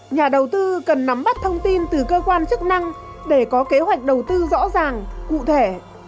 nhà đầu tư cần nắm bắt thông tin từ cơ quan chức năng để có kế hoạch đầu tư rõ ràng cụ thể